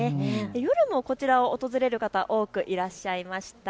夜もこちらを訪れる方多くいらっしゃいました。